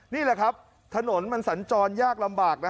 นี่แหละครับถนนมันสัญจรยากลำบากนะ